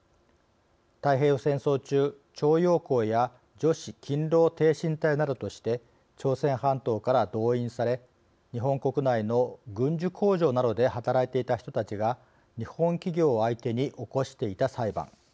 太平洋戦争中、徴用工や女子勤労てい身隊などとして朝鮮半島から動員され日本国内の軍需工場などで働いていた人たちが日本企業を相手に起こしていた裁判。